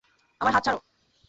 আমার হাত ছাড়ো।